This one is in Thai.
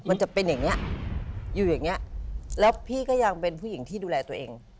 มันจะเป็นอย่างนี้อยู่อย่างเงี้ยแล้วพี่ก็ยังเป็นผู้หญิงที่ดูแลตัวเอง